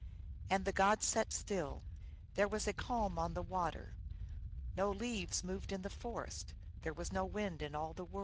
And the god sat still: there was a calm on the water ; no leaves moved in the forest ; there was no wind in all the world.